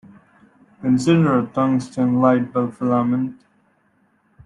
Consider a tungsten light-bulb filament.